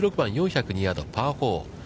１６番、４０２ヤードパー４。